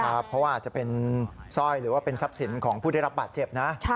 เพราะว่าอาจจะเป็นสร้อยหรือว่าเป็นทรัพย์สินของผู้ได้รับบาดเจ็บนะ